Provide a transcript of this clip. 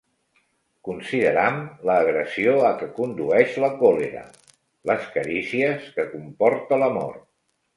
Consideram l'agressió a què condueix la còlera, les carícies que comporta l'amor.